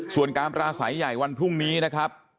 ส่วนการปราศัยใหญ่วันพรุ่งนี้นะครับ